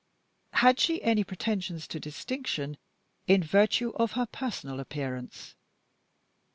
Had she any pretensions to distinction in virtue of her personal appearance?